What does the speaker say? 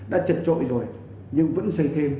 đã trật trội rồi nhưng vẫn xây thêm